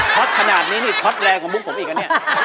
ฮอตขนาดนี้นี่ฮอตแรงกว่ามุกผมอีกนะเนี่ย